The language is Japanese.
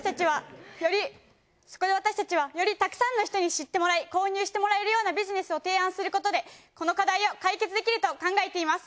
そこで私たちはよりたくさんの人に知ってもらい購入してもらえるようなビジネスを提案することでこの課題を解決できると考えています。